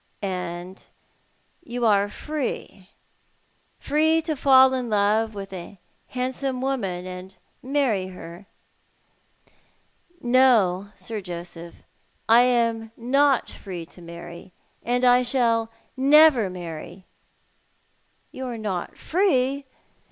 75 "And yoii are free — free to fall in love with a handsome woman and to marry her? "" No, Sir Joseph, I am not free to marry, and I shall never marry." " You are not free